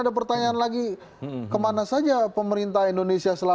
dulu baru roofledge ya nanya penghentian anj lis